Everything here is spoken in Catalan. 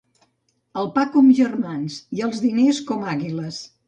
El pa com germans i els diners com àguiles.